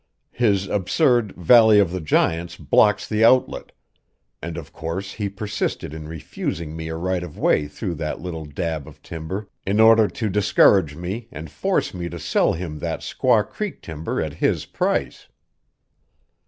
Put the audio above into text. His absurd Valley of the Giants blocks the outlet, and of course he persisted in refusing me a right of way through that little dab of timber in order to discourage me and force me to sell him that Squaw Creek timber at his price."